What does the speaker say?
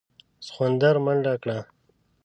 سخوندر منډه کړه.